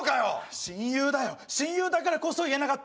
親友だよ、親友だからこそ言えなかった。